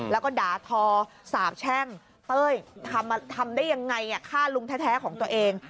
แล้วก็ด่าทอสาบแช่งเต้ยทำได้ยังไงฆ่าลุงแท้ของตัวเอง